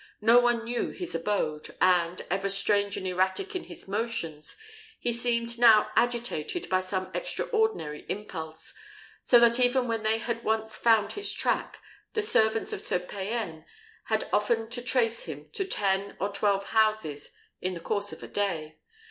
No one knew his abode, and, ever strange and erratic in his motions, he seemed now agitated by some extraordinary impulse, so that even when they had once found his track, the servants of Sir Payan had often to trace him to ten or twelve houses in the course of a day.